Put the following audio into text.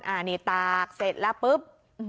อันนี้ตากเสร็จแล้วปุ๊บ